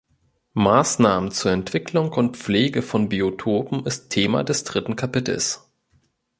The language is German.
Maßnahmen zur Entwicklung und Pflege von Biotopen ist Thema des dritten Kapitels.